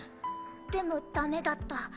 でもだめだった。